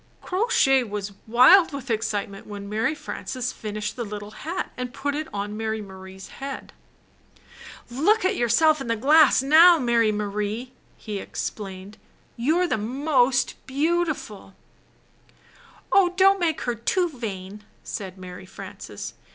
Crow Shay was wild with excitement when Mary Frances finished the httle hat and put it on Mary Marie's head. "Look at yourself in the glass now, ]\Iary Marie," he exclaimed. ''You're the most beautiful " "Oh, don't make her too vain!" said Mary Frances.